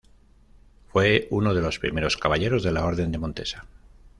Fue uno de los primeros caballeros de la Orden de Montesa.